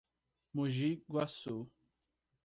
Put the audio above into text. Mogi Guaçu